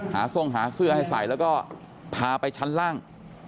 ทรงหาเสื้อให้ใส่แล้วก็พาไปชั้นล่าง